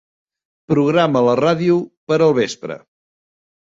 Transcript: Programa la ràdio per al vespre.